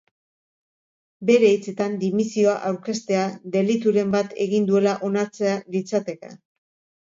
Bere hitzetan, dimisioa aurkeztea delituren bat egin duela onartzea litzateke.